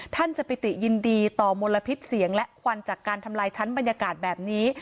ท่านจะปิติยินดีต่อมลพิษเสียงและควันจากการทำลายชั้นบรรยากาศแบบนี้